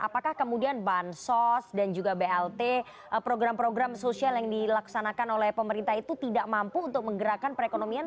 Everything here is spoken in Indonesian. apakah kemudian bansos dan juga blt program program sosial yang dilaksanakan oleh pemerintah itu tidak mampu untuk menggerakkan perekonomian